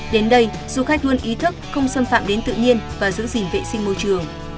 đến đây du khách luôn ý thức không xâm phạm đến tự nhiên và giữ gìn vệ sinh môi trường